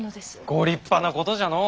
ご立派なことじゃのう。